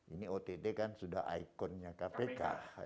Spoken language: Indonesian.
ini ott kan sudah ikonnya kpk